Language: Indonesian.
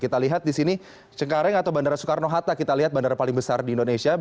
kita lihat di sini cengkareng atau bandara soekarno hatta kita lihat bandara paling besar di indonesia